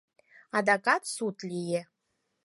Адакат суд лие.